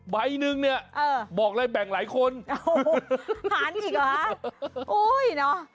บ๊ายนึงเนี่ยบอกเลยแบ่งหลายคนโอ้โฮหาลีกหรอฮะอุ้ยเนาะ